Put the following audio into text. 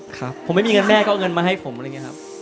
ครับผมไม่มีเงินแม่ก็เอาเงินมาให้ผมอะไรอย่างนี้ครับ